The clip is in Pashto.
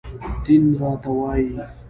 دين راته وايي